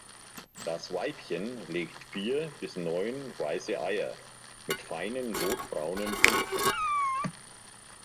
Das Weibchen legt vier bis neun weiße Eier mit feinen rot-braunen Punkten.